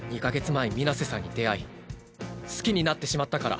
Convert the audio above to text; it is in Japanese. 前水瀬さんに出会い好きになってしまったから。